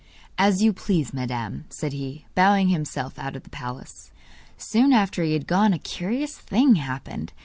'As you please, madam,' said he, bowing himself out of the palace. Soon after he had gone a curious thing happened.